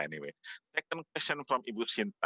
pertanyaan kedua dari ibu sinta